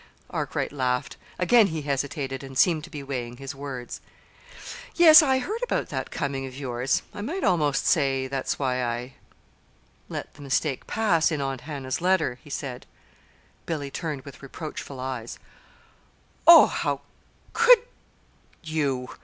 Arkwright laughed. Again he hesitated, and seemed to be weighing his words. "Yes, I heard about that coming of yours. I might almost say that's why I let the mistake pass in Aunt Hannah's letter," he said. Billy turned with reproachful eyes. "Oh, how could you?